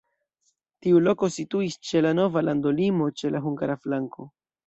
Tiu loko situis ĉe la nova landolimo, ĉe la hungara flanko.